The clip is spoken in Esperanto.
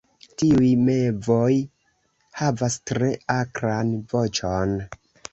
Tiuj mevoj havas tre akran voĉon.